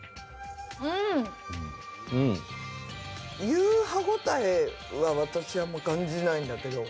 言う歯応えは私はあんまり感じないんだけど。